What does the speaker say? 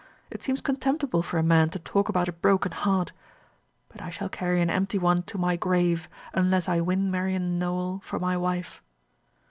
It seems contemptible for a man to talk about a broken heart; but I shall carry an empty one to my grave unless I win Marian Nowell for my wife."